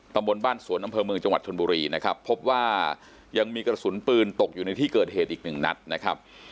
ตำบลบ้านสวนอำเภอเมืองจังหวัดชนบุรีนะครับพบว่ายังมีกระสุนปืนตกอยู่ในที่เกิดเหตุอีกหนึ่งนัดนะครับ